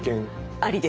ありです。